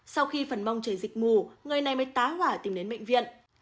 sau khi phần mông chảy dịch ngủ người này mới tá hỏa tìm đến bệnh viện